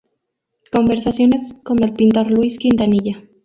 Conversaciones con el pintor Luis Quintanilla.